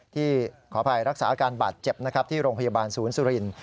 ขออภัยรักษาอาการบาดเจ็บนะครับที่โรงพยาบาลศูนย์สุรินทร์